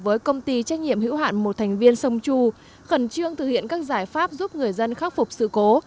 với công ty trách nhiệm hữu hạn một thành viên sông chu khẩn trương thực hiện các giải pháp giúp người dân khắc phục sự cố